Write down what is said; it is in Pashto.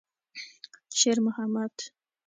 شېرمحمد.